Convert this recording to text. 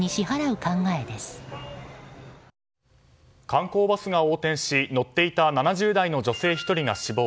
観光バスが横転し、乗っていた７０代の女性１人が死亡。